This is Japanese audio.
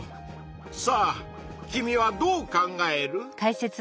さあ君はどう考える？